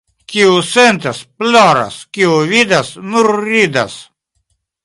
Kiu sentas — ploras, kiu vidas — nur ridas.